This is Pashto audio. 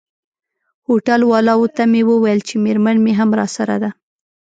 هوټل والاو ته مې وویل چي میرمن مي هم راسره ده.